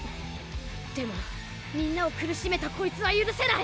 でもみんなを苦しめたコイツは許せない！